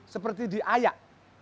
seperti di ayak